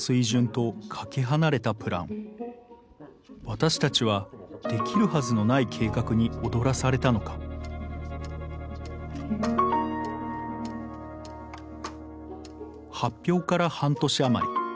私たちはできるはずのない計画に踊らされたのか発表から半年余り。